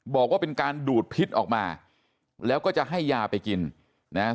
บอกว่าเป็นการดูดพิษออกมาแล้วก็จะให้ยาไปกินนะฮะ